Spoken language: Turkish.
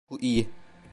Bu iyi.